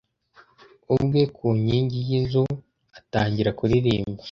ubwe ku nkingi yinzu atangira kuririmba